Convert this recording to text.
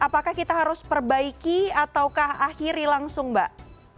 apakah kita harus perbaiki ataukah akhiri langsung mbak